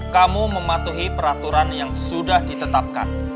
kamu mematuhi peraturan yang sudah ditetapkan